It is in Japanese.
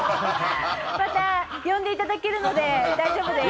また呼んでいただけるので大丈夫です。